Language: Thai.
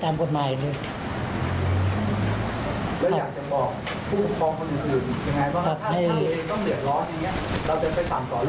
เราจะไปสั่งสอนลูกจะยังไงนะ